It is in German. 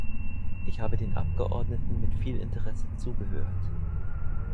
Ich habe den Abgeordneten mit viel Interesse zugehört.